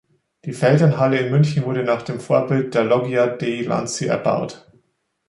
Die Feldherrnhalle in München wurde nach dem Vorbild der Loggia dei Lanzi erbaut.